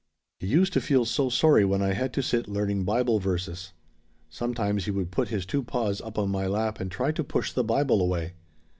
"He used to feel so sorry when I had to sit learning Bible verses. Sometimes he would put his two paws up on my lap and try to push the Bible away.